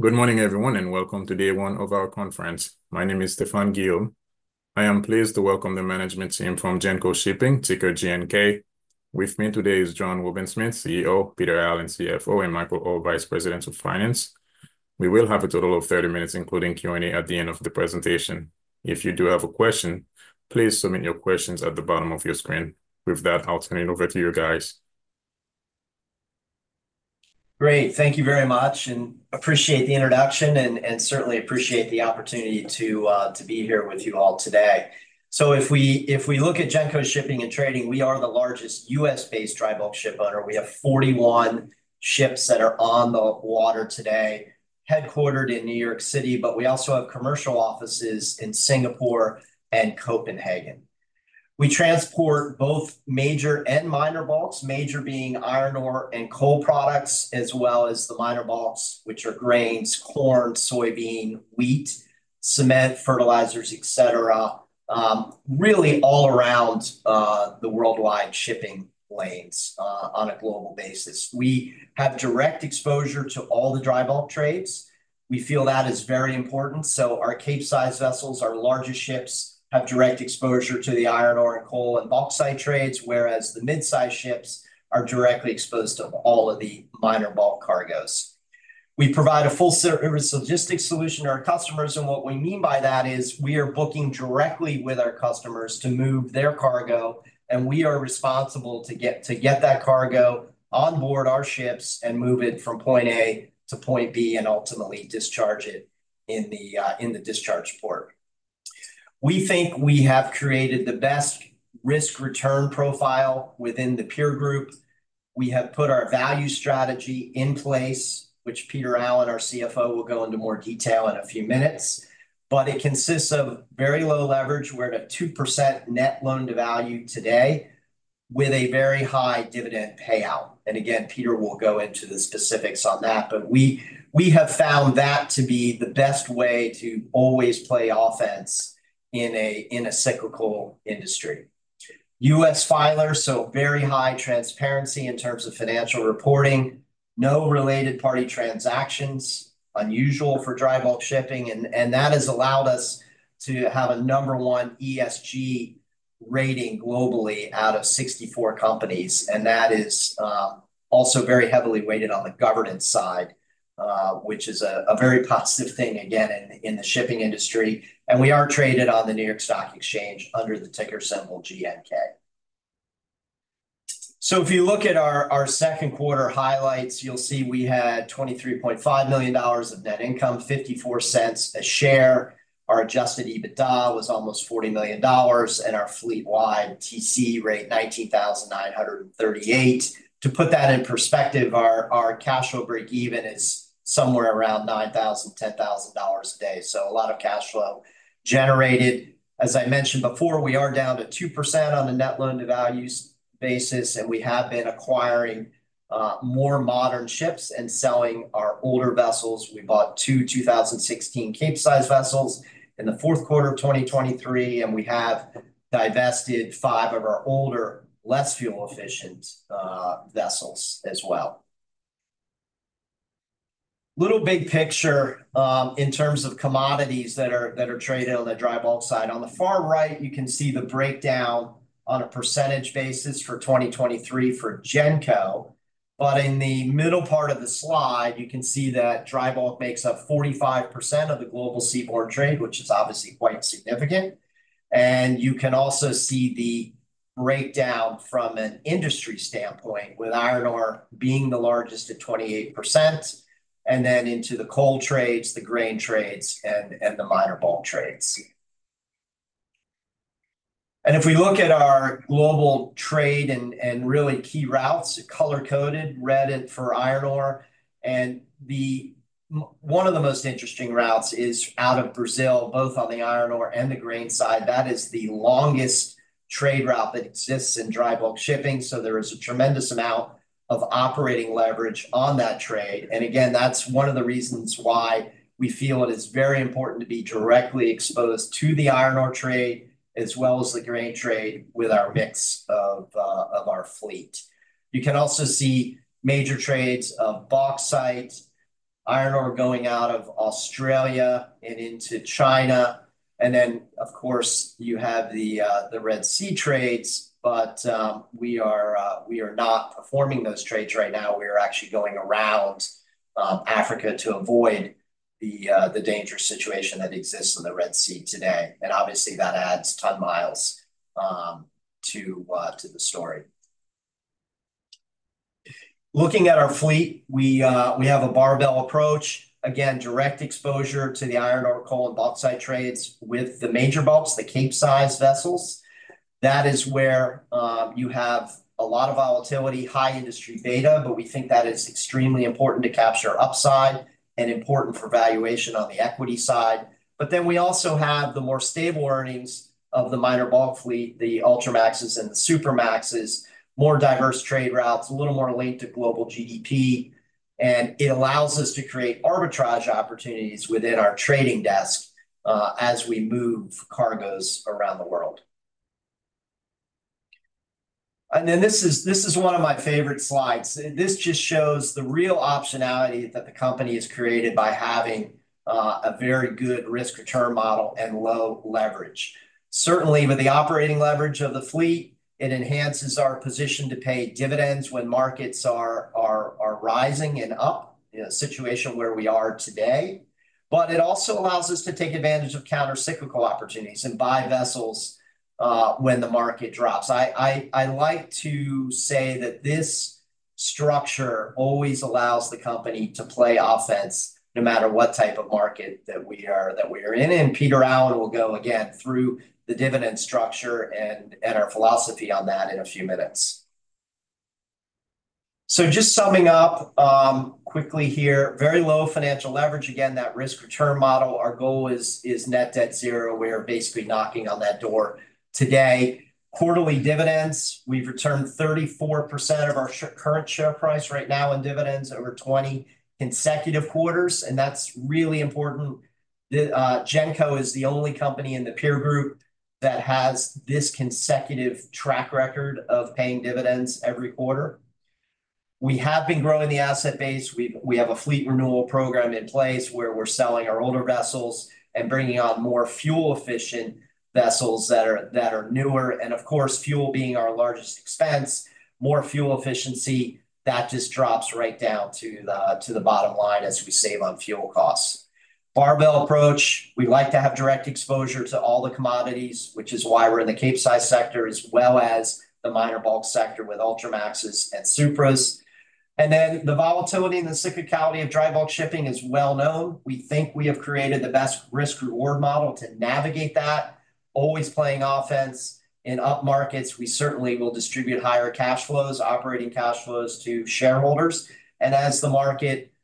Good morning, everyone, and welcome to day one of our conference. My name is Stefan Guillaume. I am pleased to welcome the management team from Genco Shipping, ticker GNK. With me today is John Wobensmith, CEO; Peter Allen, CFO; and Michael Orr, Vice President of Finance. We will have a total of thirty minutes, including Q&A, at the end of the presentation. If you do have a question, please submit your questions at the bottom of your screen. With that, I'll turn it over to you guys. Great. Thank you very much, and appreciate the introduction, and certainly appreciate the opportunity to be here with you all today. So if we look at Genco Shipping and Trading, we are the largest US-based dry bulk ship owner. We have 41 ships that are on the water today, headquartered in New York City, but we also have commercial offices in Singapore and Copenhagen. We transport both major and minor bulks. Major being iron ore and coal products, as well as the minor bulks, which are grains, corn, soybean, wheat, cement, fertilizers, et cetera, really all around the worldwide shipping lanes on a global basis. We have direct exposure to all the dry bulk trades. We feel that is very important, so our Capesize vessels, our largest ships, have direct exposure to the iron ore, and coal, and bauxite trades, whereas the midsize ships are directly exposed to all of the minor bulk cargos. We provide a full-service logistics solution to our customers, and what we mean by that is we are booking directly with our customers to move their cargo, and we are responsible to get that cargo on board our ships and move it from point A to point B, and ultimately discharge it in the discharge port. We think we have created the best risk-return profile within the peer group. We have put our value strategy in place, which Peter Allen, our CFO, will go into more detail in a few minutes, but it consists of very low leverage. We're at a 2% net loan-to-value today, with a very high dividend payout. And again, Peter will go into the specifics on that, but we have found that to be the best way to always play offense in a cyclical industry. US filer, so very high transparency in terms of financial reporting. No related party transactions. Unusual for dry bulk shipping, and that has allowed us to have a number one ESG rating globally out of 64 companies, and that is also very heavily weighted on the governance side, which is a very positive thing again, in the shipping industry. And we are traded on the New York Stock Exchange under the ticker symbol GNK. So if you look at our Q2 highlights, you'll see we had $23.5 million of net income, $0.54 a share. Our adjusted EBITDA was almost $40 million, and our fleet-wide TC rate, 19,938. To put that in perspective, our cash flow break-even is somewhere around $9,000-$10,000 a day, so a lot of cash flow generated. As I mentioned before, we are down to 2% on a net loan-to-value basis, and we have been acquiring more modern ships and selling our older vessels. We bought two 2016 Capesize vessels in the Q4 of 2023, and we have divested five of our older, less fuel efficient vessels as well. Little big picture, in terms of commodities that are traded on the dry bulk side. On the far right, you can see the breakdown on a percentage basis for 2023 for Genco. In the middle part of the slide, you can see that dry bulk makes up 45% of the global seaborne trade, which is obviously quite significant. You can also see the breakdown from an industry standpoint, with iron ore being the largest at 28%, and then into the coal trades, the grain trades, and the minor bulk trades. If we look at our global trade and really key routes, color-coded red for iron ore. One of the most interesting routes is out of Brazil, both on the iron ore and the grain side. That is the longest trade route that exists in dry bulk shipping, so there is a tremendous amount of operating leverage on that trade. And again, that's one of the reasons why we feel it is very important to be directly exposed to the iron ore trade, as well as the grain trade with our mix of our fleet. You can also see major trades of bauxite, iron ore going out of Australia and into China. And then, of course, you have the Red Sea trades, but we are not performing those trades right now. We are actually going around Africa to avoid the dangerous situation that exists in the Red Sea today, and obviously, that adds ton miles to the story. Looking at our fleet, we have a barbell approach. Again, direct exposure to the iron ore, coal, and bauxite trades with the major bulks, the Capesize vessels. That is where you have a lot of volatility, high industry beta, but we think that is extremely important to capture upside and important for valuation on the equity side but then we also have the more stable earnings of the minor bulk fleet, the Ultramaxes and the Supramaxes, more diverse trade routes, a little more linked to global GDP, and it allows us to create arbitrage opportunities within our trading desk as we move cargos around the world, and then this is one of my favorite slides. This just shows the real optionality that the company has created by having a very good risk-return model and low leverage. Certainly, with the operating leverage of the fleet, it enhances our position to pay dividends when markets are rising and up in a situation where we are today. But it also allows us to take advantage of countercyclical opportunities and buy vessels when the market drops. I like to say that this structure always allows the company to play offense, no matter what type of market that we are in. Peter Allen will go again through the dividend structure and our philosophy on that in a few minutes. Just summing up quickly here, very low financial leverage. Again, that risk-return model, our goal is net debt zero. We are basically knocking on that door today. Quarterly dividends, we have returned 34% of our current share price right now in dividends over 20 consecutive quarters, and that is really important. Genco is the only company in the peer group that has this consecutive track record of paying dividends every quarter. We have been growing the asset base. We have a fleet renewal program in place, where we're selling our older vessels and bringing on more fuel-efficient vessels that are newer. And of course, fuel being our largest expense, more fuel efficiency, that just drops right down to the bottom line as we save on fuel costs. Barbell approach, we like to have direct exposure to all the commodities, which is why we're in the Capesize sector, as well as the minor bulk sector with Ultramaxes and Supras. And then the volatility and the cyclicality of dry bulk shipping is well known. We think we have created the best risk-reward model to navigate that, always playing offense. In up markets, we certainly will distribute higher cash flows, operating cash flows to shareholders. As the market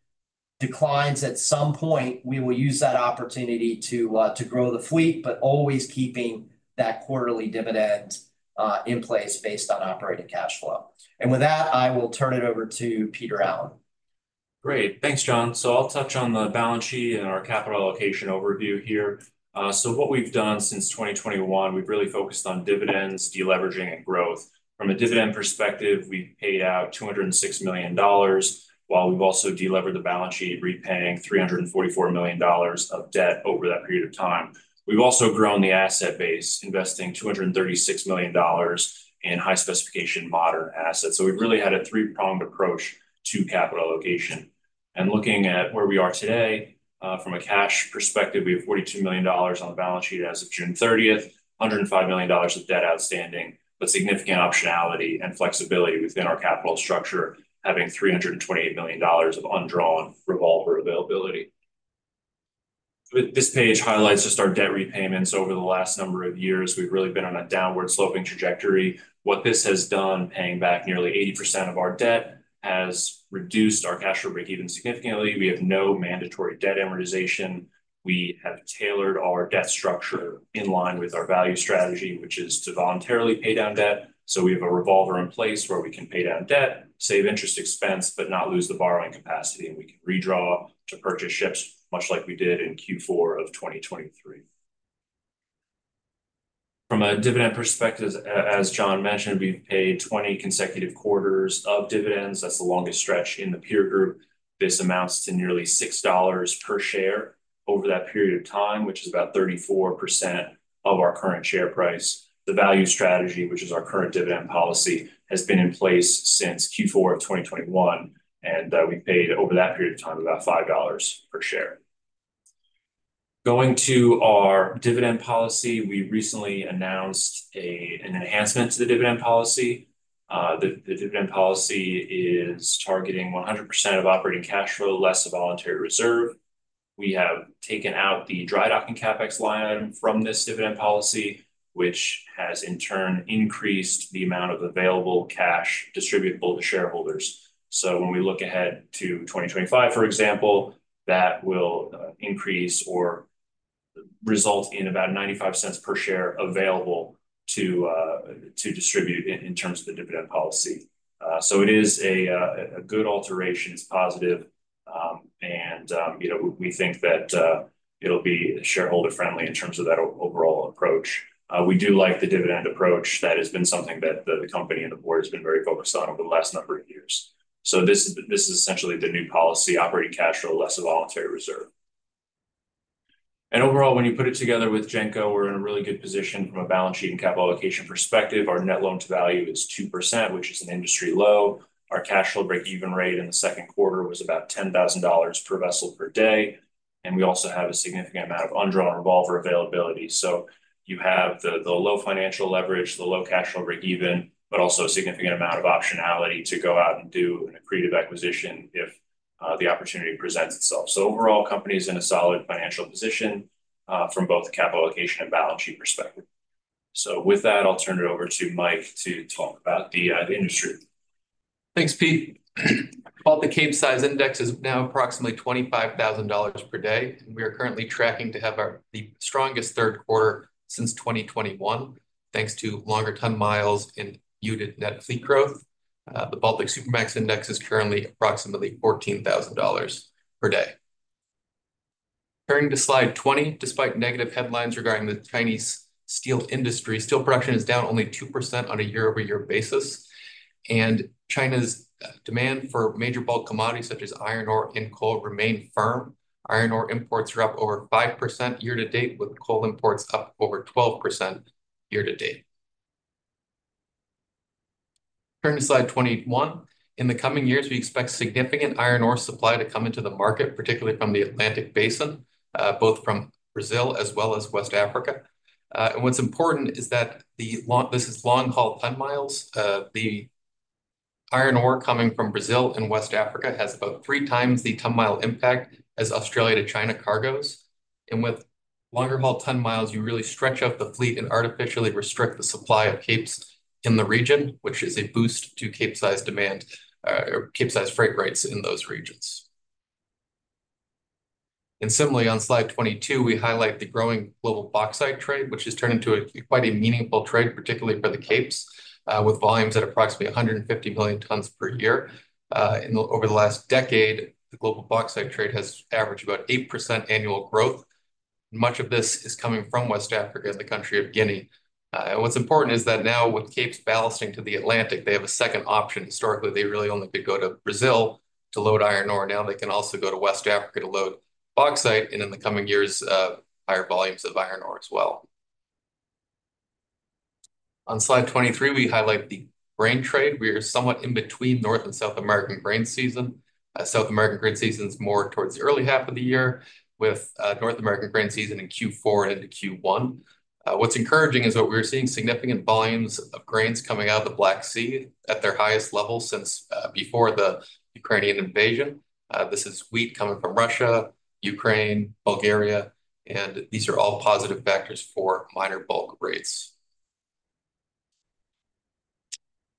declines, at some point, we will use that opportunity to grow the fleet, but always keeping that quarterly dividend in place based on operating cash flow. With that, I will turn it over to Peter Allen. Great. Thanks, John. So I'll touch on the balance sheet and our capital allocation overview here. So what we've done since 2021, we've really focused on dividends, deleveraging, and growth. From a dividend perspective, we've paid out $206 million, while we've also delevered the balance sheet, repaying $344 million of debt over that period of time. We've also grown the asset base, investing $236 million in high-specification modern assets. So we've really had a three-pronged approach to capital allocation. And looking at where we are today, from a cash perspective, we have $42 million on the balance sheet as of June 30, $105 million of debt outstanding, but significant optionality and flexibility within our capital structure, having $328 million of undrawn revolver availability. This page highlights just our debt repayments over the last number of years. We've really been on a downward sloping trajectory. What this has done, paying back nearly 80% of our debt, has reduced our cash flow breakeven significantly. We have no mandatory debt amortization. We have tailored our debt structure in line with our value strategy, which is to voluntarily pay down debt. So we have a revolver in place where we can pay down debt, save interest expense, but not lose the borrowing capacity, and we can redraw to purchase ships, much like we did in Q4 of 2023. From a dividend perspective, as John mentioned, we've paid 20 consecutive quarters of dividends. That's the longest stretch in the peer group. This amounts to nearly $6 per share over that period of time, which is about 34% of our current share price. The value strategy, which is our current dividend policy, has been in place since Q4 of 2021, and we've paid over that period of time about $5 per share. Going to our dividend policy, we recently announced an enhancement to the dividend policy. The dividend policy is targeting 100% of operating cash flow, less a voluntary reserve. We have taken out the dry docking CapEx line item from this dividend policy, which has in turn increased the amount of available cash distributable to shareholders. So when we look ahead to 2025, for example, that will increase or result in about $0.95 per share available to distribute in terms of the dividend policy. So it is a good alteration. It's positive, and you know, we think that it'll be shareholder-friendly in terms of that overall approach. We do like the dividend approach. That has been something that the company and the board has been very focused on over the last number of years. So this is essentially the new policy, operating cash flow less a voluntary reserve. And overall, when you put it together with Genco, we're in a really good position from a balance sheet and capital allocation perspective. Our net loan-to-value is 2%, which is an industry low. Our cash flow breakeven rate in the Q2 was about $10,000 per vessel per day, and we also have a significant amount of undrawn revolver availability. So you have the low financial leverage, the low cash flow breakeven, but also a significant amount of optionality to go out and do an accretive acquisition if the opportunity presents itself. So overall, company is in a solid financial position from both the capital allocation and balance sheet perspective. So with that, I'll turn it over to Mike to talk about the industry. Thanks, Pete. The Capesize index is now approximately $25,000 per day, and we are currently tracking to have our... the strongest Q3 since 2021, thanks to longer ton miles and muted net fleet growth. The Baltic Supramax Index is currently approximately $14,000 per day.... Turning to slide 20, despite negative headlines regarding the Chinese steel industry, steel production is down only 2% on a year-over-year basis, and China's demand for major bulk commodities, such as iron ore and coal, remain firm. Iron ore imports are up over 5% year to date, with coal imports up over 12% year to date. Turning to slide 21, in the coming years, we expect significant iron ore supply to come into the market, particularly from the Atlantic Basin, both from Brazil as well as West Africa. And what's important is that the long-haul ton miles. The iron ore coming from Brazil and West Africa has about three times the ton mile impact as Australia to China cargos. And with longer haul ton miles, you really stretch out the fleet and artificially restrict the supply of Capes in the region, which is a boost to Capesize demand, or Capesize freight rates in those regions. And similarly, on slide 22, we highlight the growing global bauxite trade, which has turned into quite a meaningful trade, particularly for the Capes, with volumes at approximately 150 million tons per year. Over the last decade, the global bauxite trade has averaged about 8% annual growth. Much of this is coming from West Africa and the country of Guinea. And what's important is that now with Capes ballasting to the Atlantic, they have a second option. Historically, they really only could go to Brazil to load iron ore. Now they can also go to West Africa to load bauxite, and in the coming years, higher volumes of iron ore as well. On slide 23, we highlight the grain trade. We are somewhat in between North and South American grain season. South American grain season is more towards the early half of the year, with North American grain season in Q4 into Q1. What's encouraging is that we're seeing significant volumes of grains coming out of the Black Sea at their highest level since before the Ukrainian invasion. This is wheat coming from Russia, Ukraine, Bulgaria, and these are all positive factors for minor bulk rates.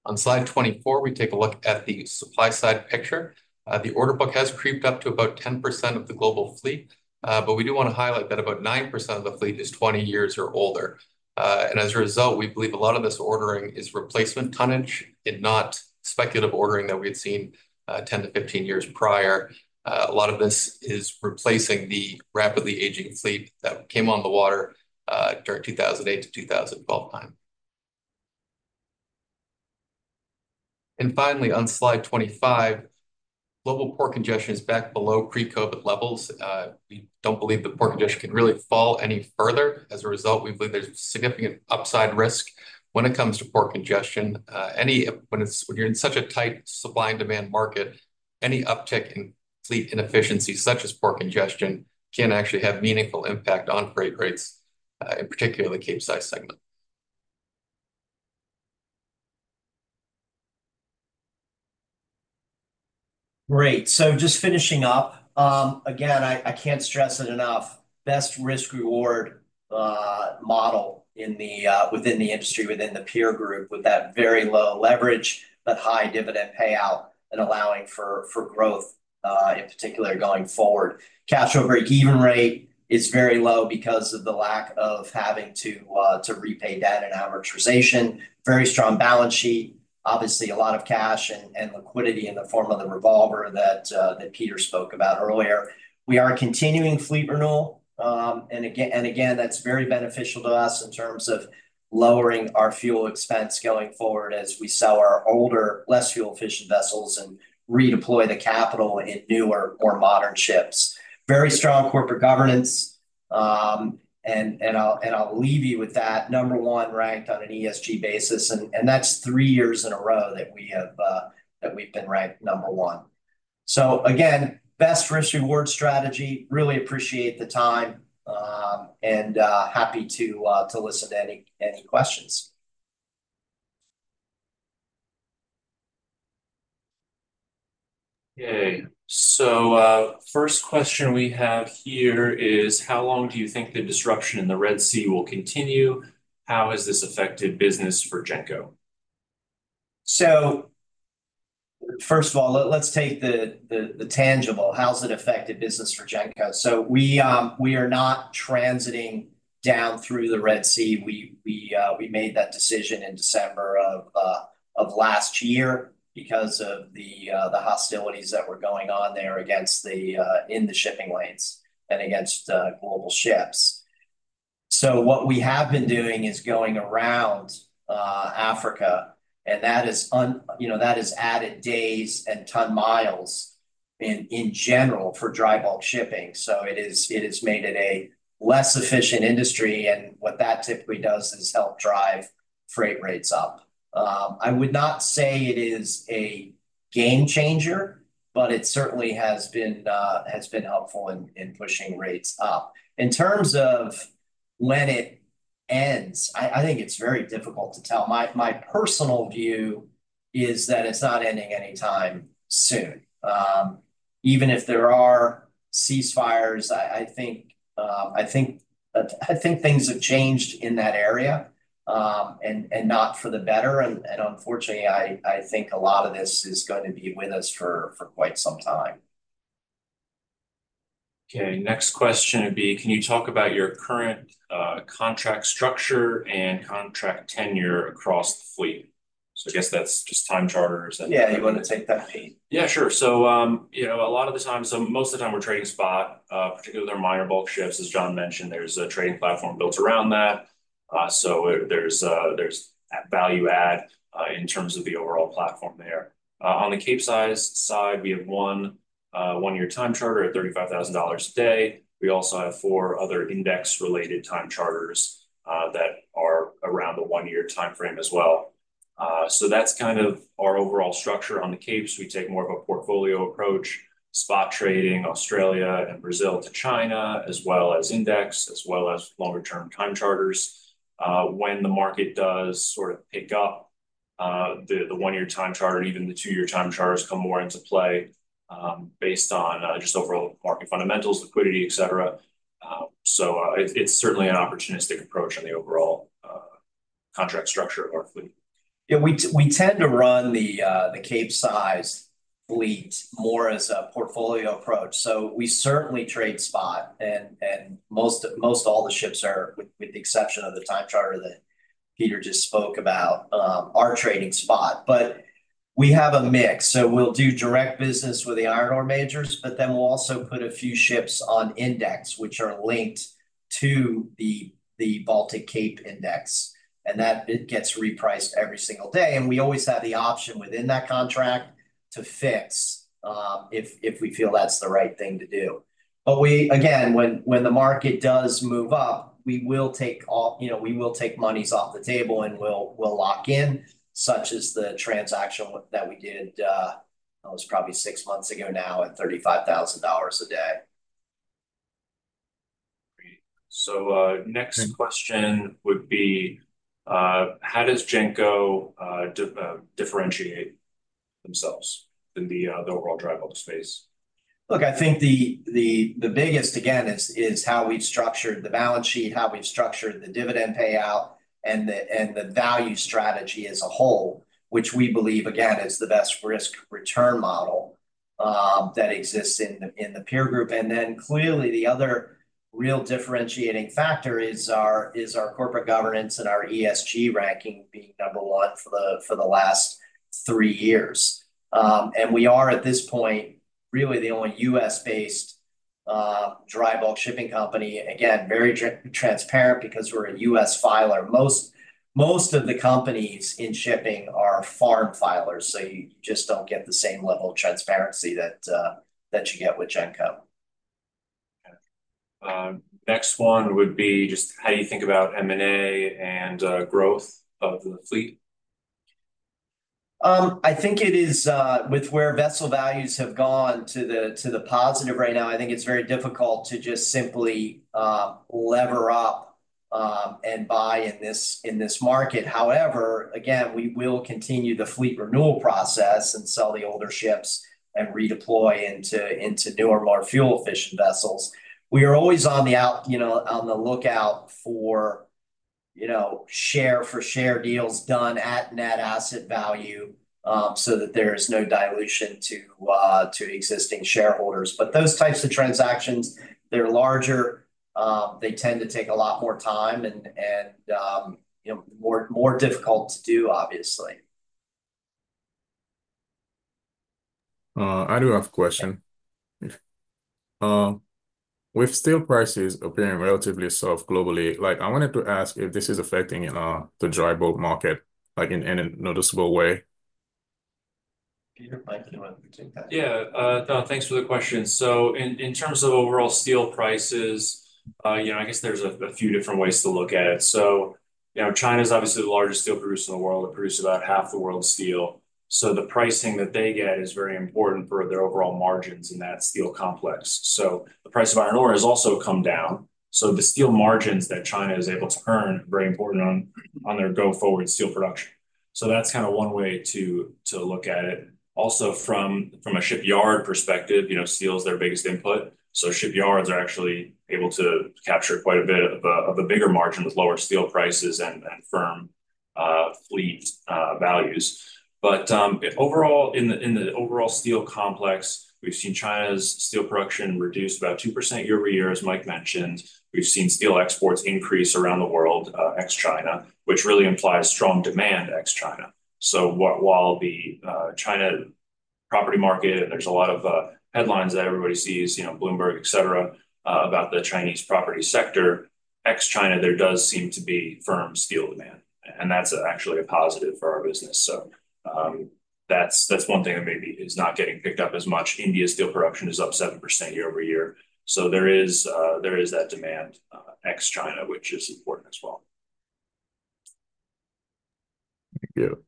On slide 24, we take a look at the supply side picture. The order book has crept up to about 10% of the global fleet, but we do want to highlight that about 9% of the fleet is 20 years or older. And as a result, we believe a lot of this ordering is replacement tonnage and not speculative ordering that we had seen 10 to 15 years prior. A lot of this is replacing the rapidly aging fleet that came on the water during 2008 to 2012 time. Finally, on slide 25, global port congestion is back below pre-COVID levels. We don't believe the port congestion can really fall any further. As a result, we believe there's significant upside risk when it comes to port congestion. Any... When you're in such a tight supply and demand market, any uptick in fleet inefficiency, such as port congestion, can actually have meaningful impact on freight rates, in particular the Capesize segment. Great! So just finishing up. Again, I can't stress it enough, best risk/reward model in the within the industry, within the peer group, with that very low leverage but high dividend payout and allowing for growth in particular going forward. Cash over breakeven rate is very low because of the lack of having to repay debt and amortization. Very strong balance sheet. Obviously, a lot of cash and liquidity in the form of the revolver that Peter spoke about earlier. We are continuing fleet renewal, and again, that's very beneficial to us in terms of lowering our fuel expense going forward as we sell our older, less fuel efficient vessels and redeploy the capital in newer, more modern ships. Very strong corporate governance. I'll leave you with that, number one ranked on an ESG basis, and that's three years in a row that we've been ranked number one. So again, best risk/reward strategy. Really appreciate the time, and happy to listen to any questions. Okay, so first question we have here is: How long do you think the disruption in the Red Sea will continue? How has this affected business for Genco? So first of all, let's take the tangible. How has it affected business for Genco? So we are not transiting down through the Red Sea. We made that decision in December of last year because of the hostilities that were going on there against the shipping lanes and against global ships. So what we have been doing is going around Africa, and that, you know, has added days and ton miles in general for dry bulk shipping. So it has made it a less efficient industry, and what that typically does is help drive freight rates up. I would not say it is a game changer, but it certainly has been helpful in pushing rates up. In terms of when it ends, I think it's very difficult to tell. My personal view is that it's not ending any time soon. Even if there are ceasefires, I think things have changed in that area, and not for the better. Unfortunately, I think a lot of this is going to be with us for quite some time. Okay, next question would be: Can you talk about your current contract structure and contract tenure across the fleet?... So I guess that's just time charter, is that? Yeah, you wanna take that, Pete? Yeah, sure. So, you know, a lot of the time, so most of the time we're trading spot, particularly with our minor bulk ships. As John mentioned, there's a trading platform built around that. So there's a value add in terms of the overall platform there. On the Capesize side, we have one one-year time charter at $35,000 a day. We also have four other index-related time charters that are around the one-year timeframe as well. So that's kind of our overall structure on the Capesize. We take more of a portfolio approach, spot trading Australia and Brazil to China, as well as index, as well as longer-term time charters. When the market does sort of pick up, the one-year time charter, even the two-year time charters come more into play, based on just overall market fundamentals, liquidity, et cetera. So, it's certainly an opportunistic approach on the overall contract structure of our fleet. Yeah, we tend to run the Capesize fleet more as a portfolio approach. So we certainly trade spot, and most all the ships are, with the exception of the time charter that Peter just spoke about, are trading spot. But we have a mix. So we'll do direct business with the iron ore majors, but then we'll also put a few ships on index, which are linked to the Baltic Capesize Index, and that bit gets repriced every single day. And we always have the option within that contract to fix, if we feel that's the right thing to do. But we, again, when the market does move up, we will take off, you know, we will take monies off the table, and we'll lock in, such as the transaction that we did, that was probably six months ago now at $35,000 a day. Great. So, next question would be, how does Genco differentiate themselves in the overall dry bulk space? Look, I think the biggest, again, is how we've structured the balance sheet, how we've structured the dividend payout, and the value strategy as a whole, which we believe, again, is the best risk return model that exists in the peer group. And then clearly, the other real differentiating factor is our corporate governance and our ESG ranking being number one for the last three years. And we are, at this point, really the only US-based dry bulk shipping company. Again, very transparent because we're a US filer. Most of the companies in shipping are foreign filers, so you just don't get the same level of transparency that you get with Genco. Okay. Next one would be just how you think about M&A and growth of the fleet. I think it is with where vessel values have gone to the positive right now. I think it's very difficult to just simply lever up and buy in this market. However, again, we will continue the fleet renewal process and sell the older ships and redeploy into newer, more fuel-efficient vessels. We are always on the out, you know, on the lookout for, you know, share for share deals done at net asset value, so that there's no dilution to existing shareholders. But those types of transactions, they're larger, they tend to take a lot more time and, you know, more difficult to do, obviously. I do have a question. If, with steel prices appearing relatively soft globally, like, I wanted to ask if this is affecting the dry bulk market, like, in a noticeable way? Peter, Mike, do you want to take that? Yeah, thanks for the question. So in terms of overall steel prices, you know, I guess there's a few different ways to look at it. So, you know, China's obviously the largest steel producer in the world. It produces about half the world's steel. So the pricing that they get is very important for their overall margins in that steel complex. So the price of iron ore has also come down. So the steel margins that China is able to earn are very important on their go-forward steel production. So that's kind of one way to look at it. Also, from a shipyard perspective, you know, steel is their biggest input, so shipyards are actually able to capture quite a bit of a bigger margin with lower steel prices and firm fleet values. But overall, in the overall steel complex, we've seen China's steel production reduce about 2% year over year, as Mike mentioned. We've seen steel exports increase around the world, ex-China, which really implies strong demand ex-China. So while the China property market, there's a lot of headlines that everybody sees, you know, Bloomberg, et cetera, about the Chinese property sector, ex-China, there does seem to be firm steel demand, and that's actually a positive for our business. So that's one thing that maybe is not getting picked up as much. India's steel production is up 7% year over year. So there is that demand, ex-China, which is important as well. Thank you.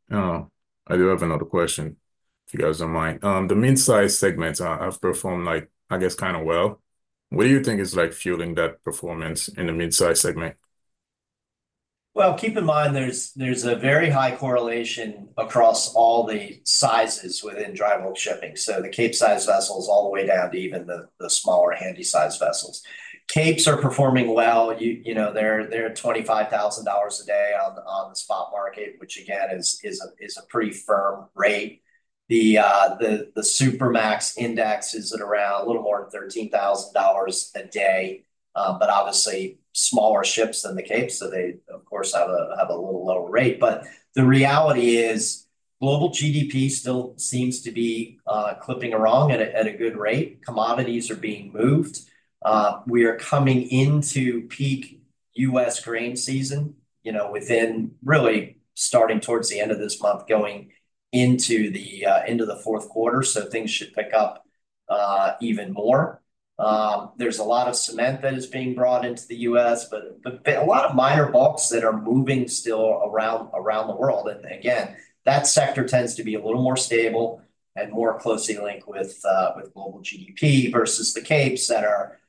I do have another question, if you guys don't mind. The midsize segments have performed, like, I guess, kind of well. What do you think is, like, fueling that performance in the midsize segment? Keep in mind, there's a very high correlation across all the sizes within dry bulk shipping, so the Capesize vessels all the way down to even the smaller Handysize vessels. Capes are performing well. You know, they're at $25,000 a day on the spot market, which again, is a pretty firm rate... The Supramax index is at around a little more than $13,000 a day. But obviously smaller ships than the Capes, so they of course have a little lower rate. But the reality is global GDP still seems to be clipping along at a good rate. Commodities are being moved. We are coming into peak US grain season, you know, within really starting towards the end of this month, going into the Q4, so things should pick up even more. There's a lot of cement that is being brought into the US, but a lot of minor bulks that are moving still around the world. Again, that sector tends to be a little more stable and more closely linked with global GDP versus the Capes that are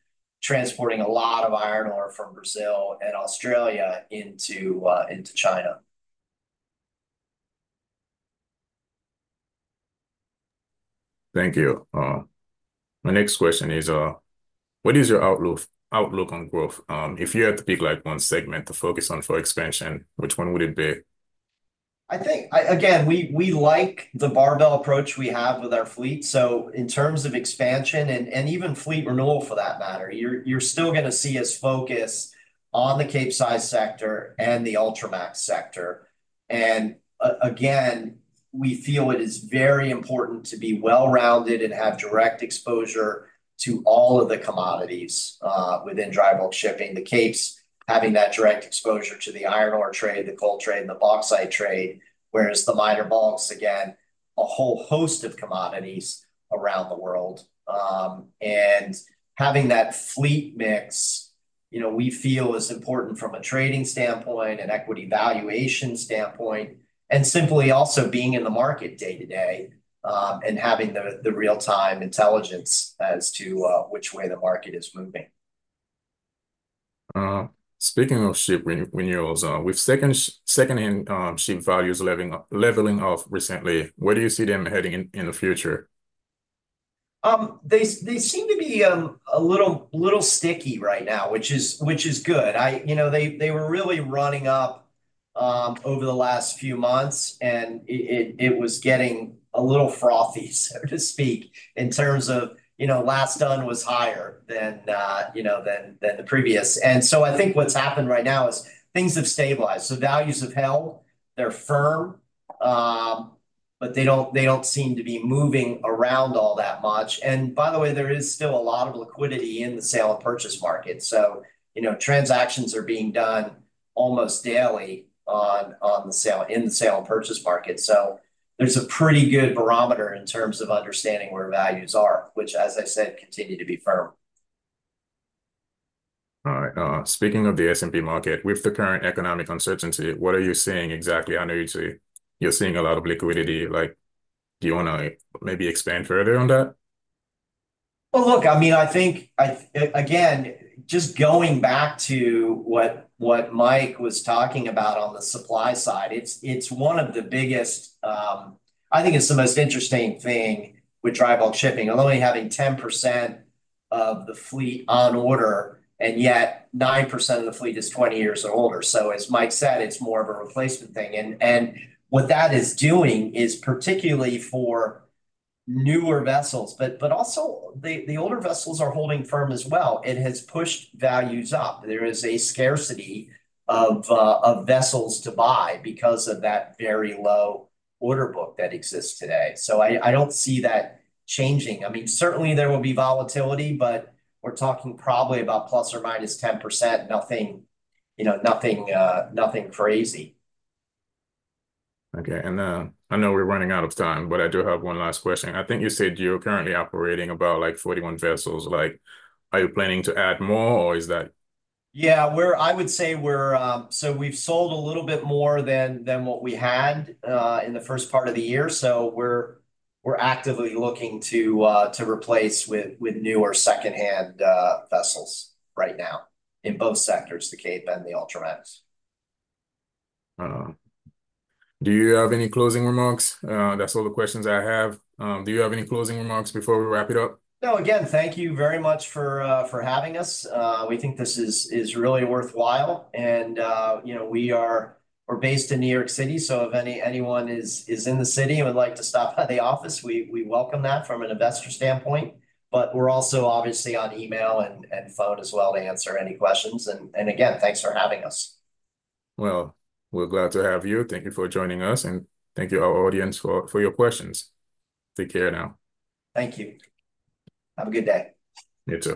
transporting a lot of iron ore from Brazil and Australia into China. Thank you. My next question is, what is your outlook on growth? If you had to pick like one segment to focus on for expansion, which one would it be? I think, again, we like the barbell approach we have with our fleet, so in terms of expansion and even fleet renewal for that matter, you're still gonna see us focus on the Capesize sector and the Ultramax sector, and again, we feel it is very important to be well-rounded and have direct exposure to all of the commodities within dry bulk shipping. The Capes, having that direct exposure to the iron ore trade, the coal trade, and the bauxite trade, whereas the minor bulks, again, a whole host of commodities around the world, and having that fleet mix, you know, we feel is important from a trading standpoint and equity valuation standpoint, and simply also being in the market day-to-day and having the real-time intelligence as to which way the market is moving. Speaking of ship renewals, with second-hand ship values leveling off recently, where do you see them heading in the future? They seem to be a little sticky right now, which is good. You know, they were really running up over the last few months, and it was getting a little frothy, so to speak, in terms of, you know, last done was higher than, you know, than the previous. And so I think what's happened right now is things have stabilized. So values have held, they're firm, but they don't seem to be moving around all that much. And by the way, there is still a lot of liquidity in the sale and purchase market. So, you know, transactions are being done almost daily on the sale and purchase market. So there's a pretty good barometer in terms of understanding where values are, which, as I said, continue to be firm. All right. Speaking of the spot market, with the current economic uncertainty, what are you seeing exactly? I know you say you're seeing a lot of liquidity. Like, do you wanna maybe expand further on that? Look, I mean, again, just going back to what Mike was talking about on the supply side, it's one of the biggest. I think it's the most interesting thing with dry bulk shipping. Although only having 10% of the fleet on order, and yet 9% of the fleet is 20 years or older. So as Mike said, it's more of a replacement thing. And what that is doing is, particularly for newer vessels, but also the older vessels are holding firm as well, it has pushed values up. There is a scarcity of vessels to buy because of that very low order book that exists today. So I don't see that changing. I mean, certainly there will be volatility, but we're talking probably about plus or minus 10%. Nothing, you know, nothing crazy. Okay, and I know we're running out of time, but I do have one last question. I think you said you're currently operating about, like, 41 vessels. Like, are you planning to add more, or is that- Yeah, we're. I would say we're, so we've sold a little bit more than what we had in the first part of the year. So we're actively looking to replace with newer second-hand vessels right now, in both sectors, the Cape and the Ultramax. Do you have any closing remarks? That's all the questions I have. Do you have any closing remarks before we wrap it up? No. Again, thank you very much for having us. We think this is really worthwhile and, you know, we're based in New York City, so if anyone is in the city and would like to stop by the office, we welcome that from an investor standpoint. But we're also obviously on email and phone as well to answer any questions. And again, thanks for having us. We're glad to have you. Thank you for joining us, and thank you our audience for your questions. Take care now. Thank you. Have a good day. You too.